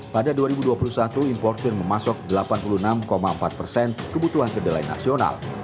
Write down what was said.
pada dua ribu dua puluh satu importer memasok delapan puluh enam empat persen kebutuhan kedelai nasional